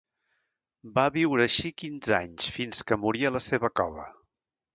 Va viure així quinze anys, fins que morí a la seva cova.